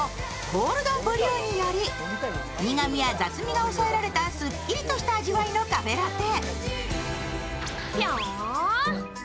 コールドブリューにより苦みや雑味が抑えられたすっきりとした味わいのカフェラテ。